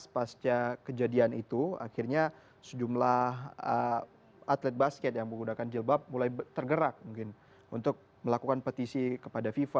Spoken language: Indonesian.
pasca kejadian itu akhirnya sejumlah atlet basket yang menggunakan jilbab mulai tergerak mungkin untuk melakukan petisi kepada fifa